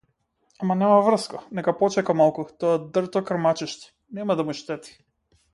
Ама нема врска, нека почека малку тоа дрто крмачиште, нема да му штети.